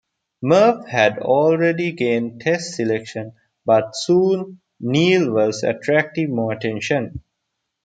Merv had already gained Test selection, but soon Neil was attracting more attention.